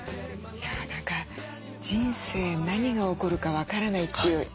いや何か人生何が起こるか分からないっていう。